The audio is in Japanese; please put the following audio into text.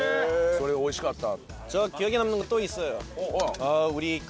それがおいしかった。